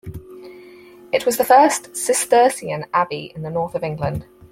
It was the first Cistercian abbey in the north of England.